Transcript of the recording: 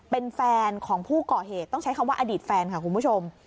เป็นแฟนของผู้ก่อเหตุต้องใช้คำว่าอดีตแฟนค่ะคุณผู้ชม